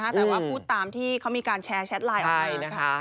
แต่ว่าพูดตามที่เขามีการแชร์แชทไลน์ออกมา